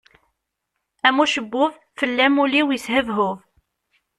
Am ucebbub, fell-am ul-iw yeshebhub.